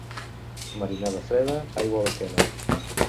Marinada freda, aigua a l'esquena.